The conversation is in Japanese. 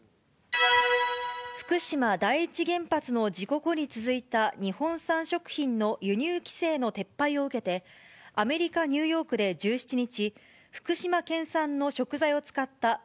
福島第一原発の事故後に続いた、日本産食品の輸入規制の撤廃を受けて、アメリカ・ニューヨークで１７日、